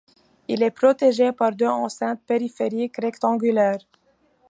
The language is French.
Il est protégé par deux enceintes périphériques rectangulaires.